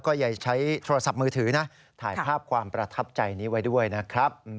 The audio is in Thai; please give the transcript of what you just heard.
อย่าใช้โทรศัพท์มือถือนะถ่ายภาพความประทับใจนี้ไว้ด้วยนะครับ